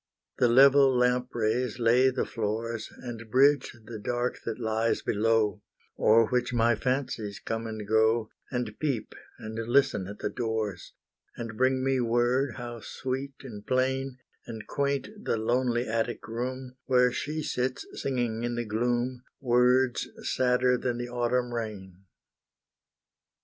The level lamp rays lay the floors, And bridge the dark that lies below, O'er which my fancies come and go, And peep, and listen at the doors; And bring me word how sweet and plain, And quaint the lonely attic room, Where she sits singing in the gloom, Words sadder than the autumn rain.